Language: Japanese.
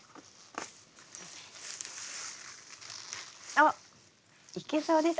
おっいけそうです。